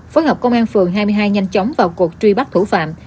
phối hợp công an phường hai mươi hai nhanh chóng vào cuộc truy bắt thủ phạm